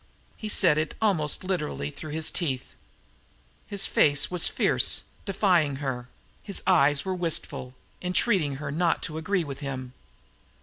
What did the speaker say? He said it, almost literally, through his teeth. His face was fierce, defying her his eyes were wistful, entreating her not to agree with him.